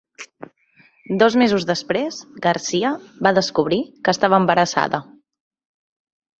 Dos mesos després, Garcia va descobrir que estava embarassada.